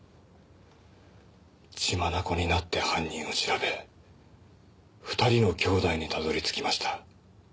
血眼になって犯人を調べ２人の兄弟にたどり着きました。